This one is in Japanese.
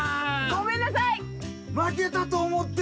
ごめんなさい。